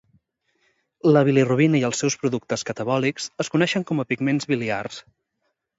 La bilirubina i els seus productes catabòlics es coneixen com a pigments biliars.